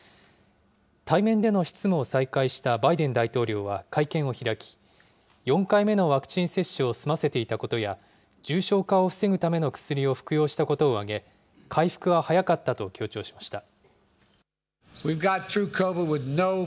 対面での執務を再開したバイデン大統領は会見を開き、４回目のワクチン接種を済ませていたことや、重症化を防ぐための薬を服用したことを挙げ、回復は早かったと強調しました。